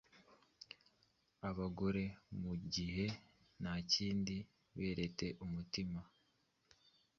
Abagore, mugihe ntakindi, berete umutima